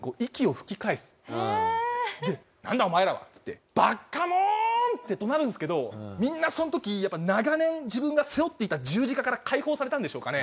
で「なんだ？お前らは」っつって「ばっかもん！！」って怒鳴るんですけどみんなその時やっぱり長年自分が背負っていた十字架から解放されたんでしょうかね。